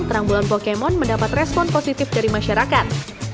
terang bulan pokemon mendapat respon positif dari masyarakat